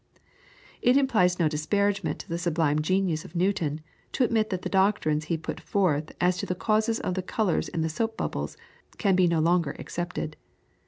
It implies no disparagement to the sublime genius of Newton to admit that the doctrines he put forth as to the causes of the colours in the soap bubbles can be no longer accepted.